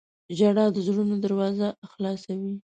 • ژړا د زړونو دروازه خلاصوي.